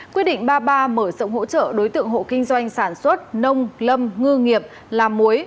quyết định ba mươi ba mở rộng hỗ trợ đối tượng hộ kinh doanh sản xuất nông lâm ngư nghiệp làm muối